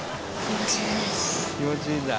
「気持ちいいんだ」